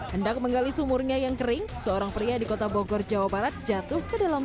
hendak menggali sumurnya yang kering seorang pria di kota bogor jawa barat jatuh ke dalam